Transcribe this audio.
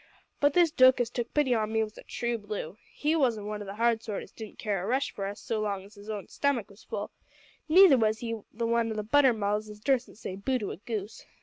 But this dook as took pity on me was a true blue. He wasn't one o' the hard sort as didn't care a rush for us so long as his own stummick was full. Neether was he one o' the butter mouths as dursen't say boo to a goose.